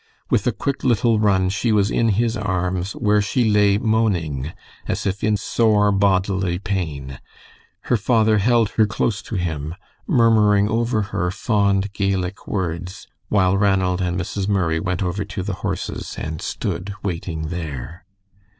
With a quick little run she was in his arms, where she lay moaning, as if in sore bodily pain. Her father held her close to him, murmuring over her fond Gaelic words, while Ranald and Mrs. Murray went over to the horses and stood waiting there.